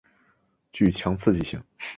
具强刺激性。